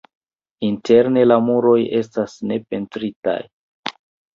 Interne la muroj estas ne pentritaj.